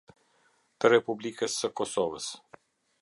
Të Republikës së Kosovës.